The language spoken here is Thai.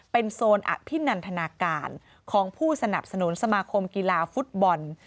เป็นโซนอภินันทนาการของผู้สนับสนุนสมาคมกีฬาฟุตบอล